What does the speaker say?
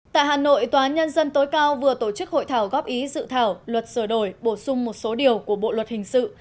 tại hà nội tòa nhân dân tối cao vừa tổ chức hội thảo góp ý dự thảo luật sửa đổi bổ sung một số điều của bộ luật hình sự